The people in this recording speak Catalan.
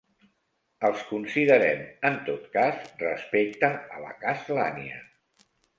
Els considerem, en tot cas, respecte a la castlania.